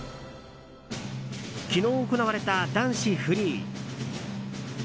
昨日、行われた男子フリー。